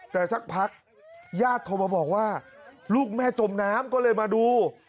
แต่สักพักญาติโทรมาบอกว่าลูกแม่จมน้ำก็เลยมาดู